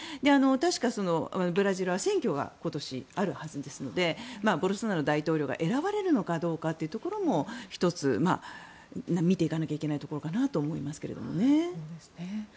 確か、ブラジルは選挙が今年、あるはずですのでボルソナロ大統領が選ばれるのかどうかというところも１つ、見ていかなきゃいけないところかと思いますね。